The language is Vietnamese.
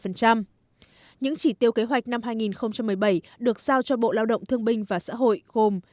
những chỉ tiêu kế hoạch năm hai nghìn một mươi bảy được giao cho bộ lao động thương binh và xã hội gồm